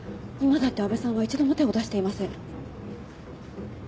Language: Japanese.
今だって阿部さんは一度も手を出していません。